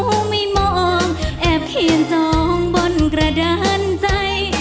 รู้ว่าเขาไม่มองแอบเขียนจองบนกระดานใจ